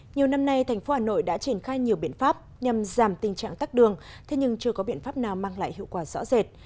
nhiều năm nay thành phố hà nội đã triển khai nhiều biện pháp nhằm giảm tình trạng tắt đường thế nhưng chưa có biện pháp nào mang lại hiệu quả rõ rệt